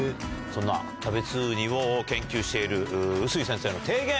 そんなキャベツウニを研究している臼井先生の提言